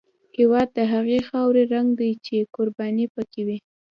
هېواد د هغې خاورې رنګ دی چې قرباني پکې وي.